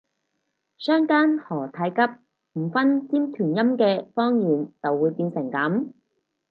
相姦何太急，唔分尖團音嘅方言就會變成噉